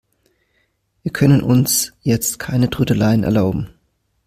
Wir können uns jetzt keine Trödeleien erlauben.